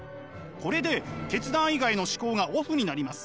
これで決断以外の思考がオフになります。